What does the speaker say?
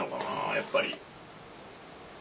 やっぱり。